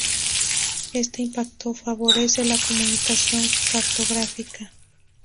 Este impacto favorece la comunicación cartográfica.